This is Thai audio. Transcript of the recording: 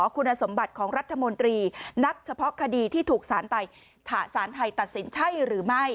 คุณสมบัติของรัฐมนตรีนับเฉพาะคดีที่ถูกสารไทยตัดสินใช่หรือไม่